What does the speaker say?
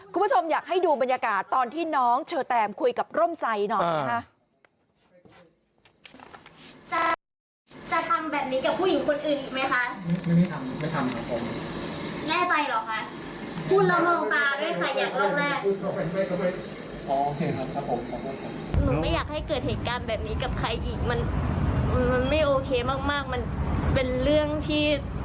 คุณผู้ชมอยากให้ดูบรรยากาศตอนที่น้องเชอแตมคุยกับร่มใจหน่อยนะคะ